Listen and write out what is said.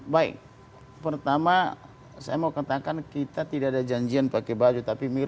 baik pertama saya mau katakan kita tidak ada janjian pakai baju tapi mirip